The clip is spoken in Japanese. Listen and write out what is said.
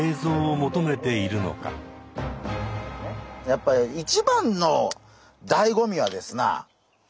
やっぱり一番の醍醐味はですな